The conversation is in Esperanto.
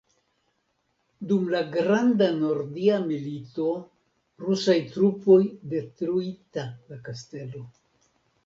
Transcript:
Dum la Granda Nordia Milito rusaj trupoj detruita la kastelo.